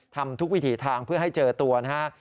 ทำทุกวิถีทางเพื่อให้เจอตัวนะฮะ